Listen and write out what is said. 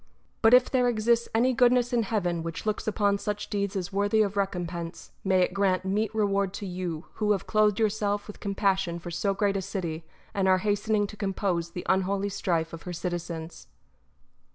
But if there exists any goodness in heaven which looks upon such deeds as worthy of recompense, may it grant meet reward to you, who have clothed yourself with com passion for so great a city, and are hastening to compose the unholy strife of her citizens